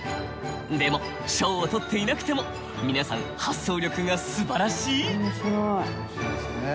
でも賞をとっていなくても皆さん発想力がすばらしい！